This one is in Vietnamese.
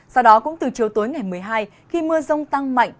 sau đó cũng từ chiều tối ngày một mươi hai khi mưa rông tăng mạnh